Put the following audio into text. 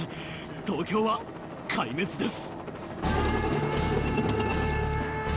東京は壊滅です。